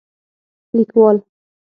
لیکوال: